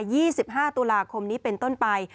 ยี่สิบห้าตุลาคมนี้เป็นต้นไป